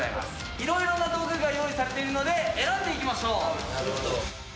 いろいろな道具が用意されているので選んでいきましょう！